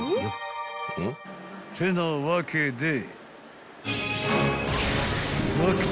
［てなわけで］